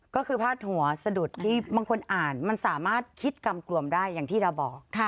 ก็คือพาดหัวสะดุดที่บางคนอ่านมันสามารถคิดกำกลวมได้อย่างที่เราบอก